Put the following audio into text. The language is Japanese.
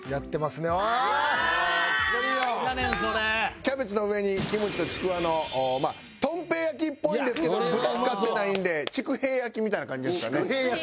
キャベツの上にキムチとちくわのまあとん平焼きっぽいんですけど豚使ってないんでちく平焼きみたいな感じですかね？